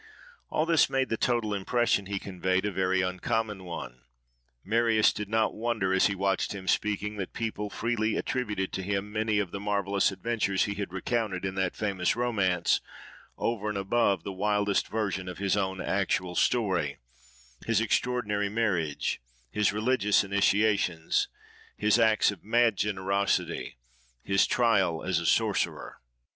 All this made the total impression he conveyed a very uncommon one. Marius did not wonder, as he watched him speaking, that people freely attributed to him many of the marvellous adventures he had recounted in that famous romance, over and above the wildest version of his own actual story—his extraordinary marriage, his religious initiations, his acts of mad generosity, his trial as a sorcerer.